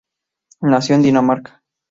Nació en Dinamarca.